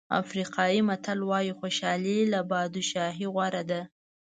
افریقایي متل وایي خوشالي له بادشاهۍ غوره ده.